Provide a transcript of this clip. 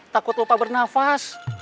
takut lupa bernafas